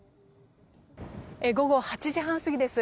午後８時半過ぎです。